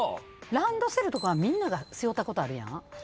ランドセルとかみんなが背負ったことあるやん？